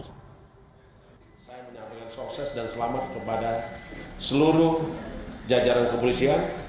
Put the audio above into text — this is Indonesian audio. saya menyampaikan sukses dan selamat kepada seluruh jajaran kepolisian